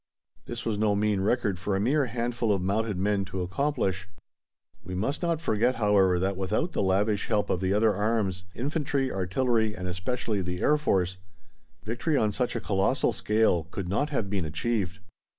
This was no mean record for a mere handful of mounted men to accomplish. We must not forget, however, that without the lavish help of the other arms infantry, artillery, and especially the Air Force, victory on such a colossal scale could not have been achieved.